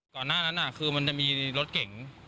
ก่อนหน้านั้นคือมันจะมีรถเก่ง